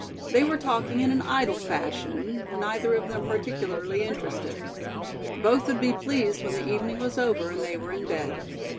They were talking in an idle fashion, neither of them particularly interested. Both would be pleased when the evening was over and they were in bed.